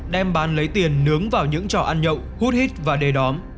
đem bán lấy tiền nướng vào những chỗ ăn nhậu hút hít và đề đóm